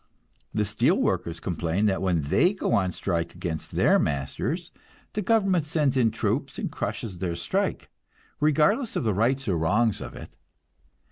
The steel workers complain that when they go on strike against their masters, the government sends in troops and crushes their strike, regardless of the rights or wrongs of it.